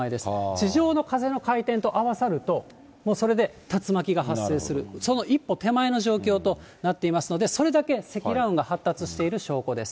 地上の風の回転と合わさると、もうそれで竜巻が発生する、その一歩手前の状況となっていますので、それだけ積乱雲が発達している証拠です。